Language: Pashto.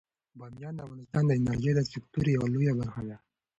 بامیان د افغانستان د انرژۍ د سکتور یوه لویه برخه ده.